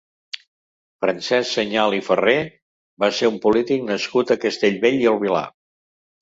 Francesc Senyal i Ferrer va ser un polític nascut a Castellbell i el Vilar.